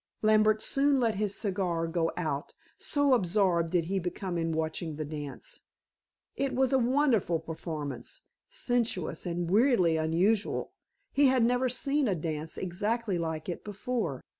Lambert soon let his cigar go out, so absorbed did he become in watching the dance. It was a wonderful performance, sensuous and weirdly unusual. He had never seen a dance exactly like it before.